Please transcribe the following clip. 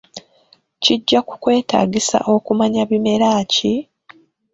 Kijja kukwetaagisa okumanya bimera ki?